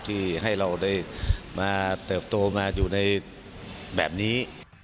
ที่ให้เราได้มาเติบโตมาอยู่ในแบบนี้